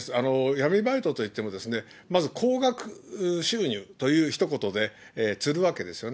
闇バイトといっても、まず高額収入というひと言で釣るわけですよね。